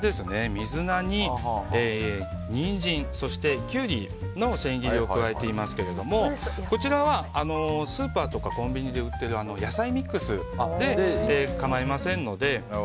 水菜にニンジンそしてキュウリの千切りを加えていますけどもこちらはスーパーとかコンビニで売っている野菜ミックスで構いませんので。